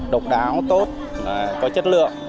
độc đáo tốt có chất lượng